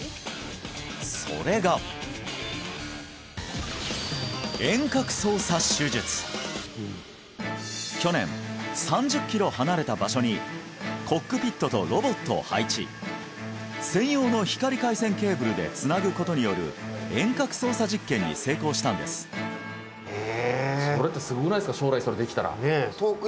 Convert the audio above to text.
それが去年３０キロ離れた場所にコックピットとロボットを配置専用の光回線ケーブルでつなぐことによる遠隔操作実験に成功したんですええ